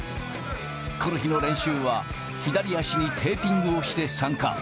この日の練習は、左足にテーピングをして参加。